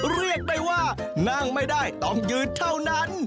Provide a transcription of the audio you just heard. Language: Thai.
เรียกได้ว่านั่งไม่ได้ต้องยืนเท่านั้น